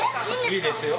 いいですよ。